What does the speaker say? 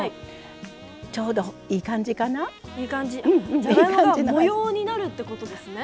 じゃがいもが模様になるってことですね。